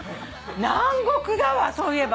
南国だわそういえば。